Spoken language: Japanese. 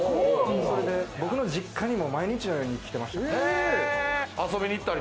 それで僕の実家にも毎日のように来てました。